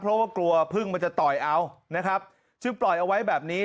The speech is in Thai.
เพราะว่ากลัวพึ่งมันจะต่อยเอานะครับซึ่งปล่อยเอาไว้แบบนี้